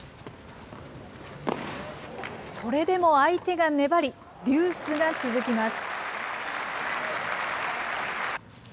それでも相手が粘り、デュースが続きます。